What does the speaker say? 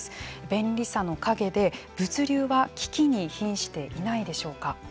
便利さの陰で物流は危機に瀕していないでしょうか。